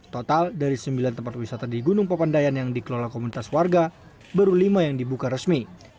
total dari sembilan tempat wisata di gunung papandayan yang dikelola komunitas warga baru lima yang dibuka resmi